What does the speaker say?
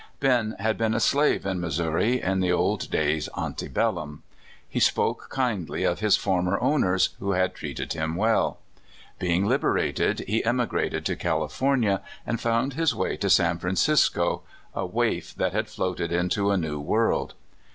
Ben had been a slave in Missouri in the old days ante bel/iini. He spoke kindly of his former own ers, who had treated him well. Being liberated, he emigrated to CaHfornia, and found his way to San Francisco — a w^aif that had floated into a new world.